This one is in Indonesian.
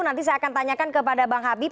nanti saya akan tanyakan kepada bang habib